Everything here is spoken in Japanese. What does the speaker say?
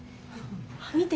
見て。